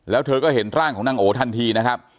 แล้วเธอก็เห็นร่างของนางโอทันทีนะครับ